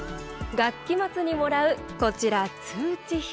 学期末にもらうこちら、通知表。